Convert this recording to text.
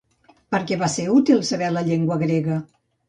Per a què va ser-li útil saber la llengua grega?